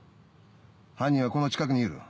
犯人はこの近くにいる。